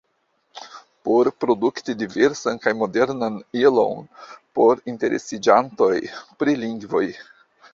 Por produkti diversan kaj modernan ilon por interesiĝantoj pri lingvoj.